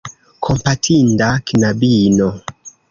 Kompatinda knabino!